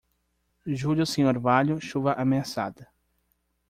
Julho sem orvalho, chuva ameaçada.